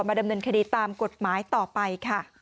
ดำเนินคดีตามกฎหมายต่อไปค่ะ